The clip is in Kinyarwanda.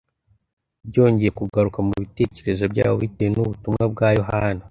. Byongeye kugaruka mu bitekerezo byabo bitewe n’ubutumwa bwa Yohana.